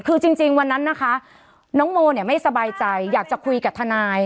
คือจริงวันนั้นนะคะน้องโมเนี่ยไม่สบายใจอยากจะคุยกับทนาย